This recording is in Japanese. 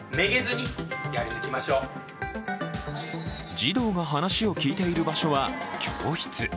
児童が話を聞いている場所は、教室。